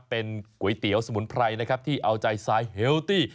เป็นก๋วยเตี๋ยวสมุนไพรนะครับที่เอาใจสายเฮลตี้